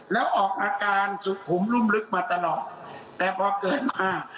แล้วออกอาการสุขุมรุ่มลึกมาตลอดแต่พอเกิดมา